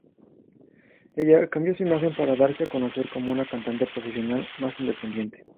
Ella cambió su imagen para darse a conocer como una cantante profesional más independiente.